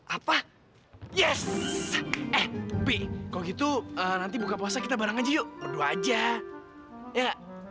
apa yes eh tapi kalau gitu nanti buka puasa kita bareng aja yuk berdua aja ya